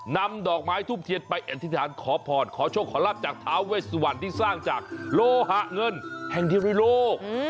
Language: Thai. นำดอกไม้ทุบเทียดไปอันทธิษฐานขอพรขอโชคขอลาภจากท้าเวชสุวรรณที่สร้างจากโลหะเงินแห่งดิริโลก